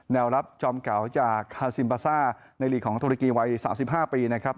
รับจอมเก่าจากคาซิมบาซ่าในลีกของธุรกีวัย๓๕ปีนะครับ